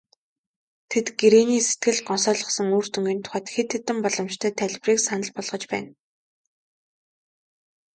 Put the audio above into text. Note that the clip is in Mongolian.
Тэд гэрээний сэтгэл гонсойлгосон үр дүнгийн тухайд хэд хэдэн боломжтой тайлбарыг санал болгож байна.